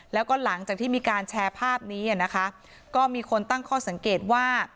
แล้วก็หลังจากที่มีการแชร์ภาพนี้นะคะก็มีคนตั้งข้อสังเกตว่า